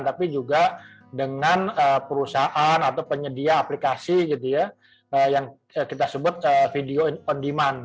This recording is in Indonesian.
tapi juga dengan perusahaan atau penyedia aplikasi gitu ya yang kita sebut video on demand